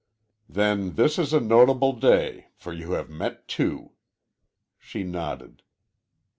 "Then this is a notable day, for you have met two." She nodded.